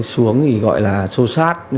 xuống thì gọi là sô sát